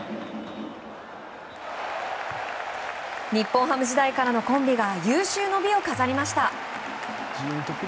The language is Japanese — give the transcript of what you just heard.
日本ハム時代からのコンビが有終の美を飾りました。